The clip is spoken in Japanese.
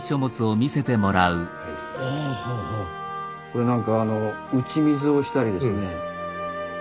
これなんか打ち水をしたりですね。